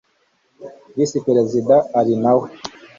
Visi Perezida ari nawe